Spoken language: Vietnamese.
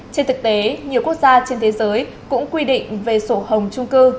trên thực tế nhiều quốc gia trên thế giới cũng quy định về sổ hồng trung cư